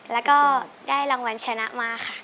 แล้วก็ได้รางวัลชนะมาค่ะ